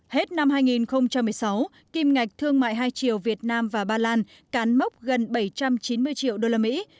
hết năm hai nghìn một mươi sáu kim ngạch thương mại hai triệu việt nam và ba lan cán mốc gần bảy trăm chín mươi triệu đô la mỹ